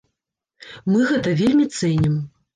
Мы гэта вельмі цэнім.